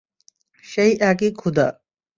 সেই একই ক্ষুধা।